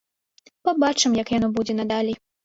Пабачым, як яно будзе надалей.